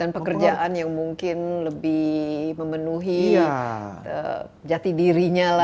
dan pekerjaan yang mungkin lebih memenuhi jati dirinya lah